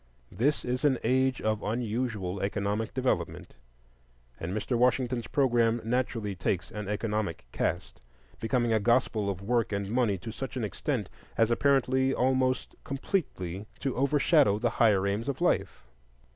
This is an age of unusual economic development, and Mr. Washington's programme naturally takes an economic cast, becoming a gospel of Work and Money to such an extent as apparently almost completely to overshadow the higher aims of life.